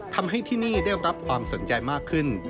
ทำให้ที่นี่ได้รับความสนใจมากขึ้น